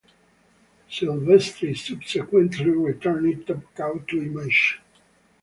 Silvestri subsequently returned Top Cow to Image.